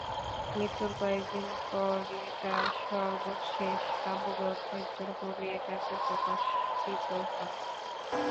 মৃত্যুর কয়েক দিন পরই তাঁর সর্বশেষ কাব্যগ্রন্থ একজন কবি একাকী প্রকাশিত হয়।